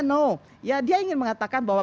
no ya dia ingin mengatakan bahwa